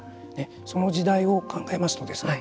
その時代を考えますとですね